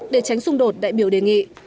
để tránh xung đột đại biểu đề nghị